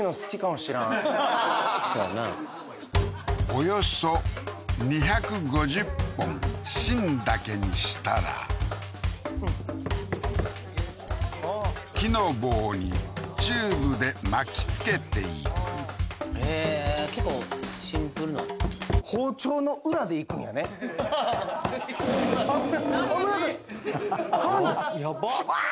およそ２５０本芯だけにしたら木の棒にチューブで巻き付けていくへえー結構シンプルな危ない危ない危ないハンドワー！